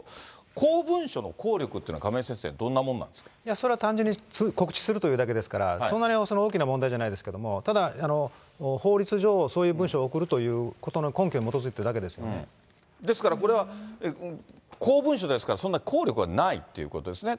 公文書の効力というのは、亀井先それは単純に告知するというだけですから、それはそんなに大きな問題じゃないですけど、ただ、法律上、そういう文書を送るということの根拠に基づくだけですよですからこれは、公文書ですから、そんな効力はないということですね。